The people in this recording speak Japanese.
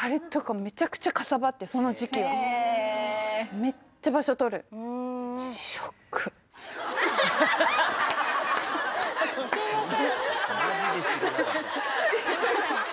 あれとかめちゃくちゃかさばってその時期はめっちゃ場所取るすいません